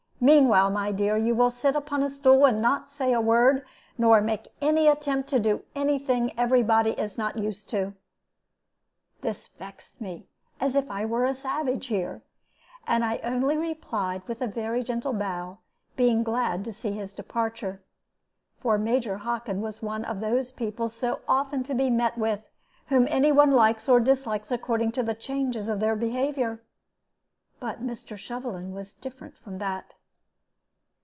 Meanwhile, my dear, you will sit upon a stool, and not say a word, nor make any attempt to do any thing every body is not used to." This vexed me, as if I were a savage here; and I only replied with a very gentle bow, being glad to see his departure; for Major Hockin was one of those people, so often to be met with, whom any one likes or dislikes according to the changes of their behavior. But Mr. Shovelin was different from that.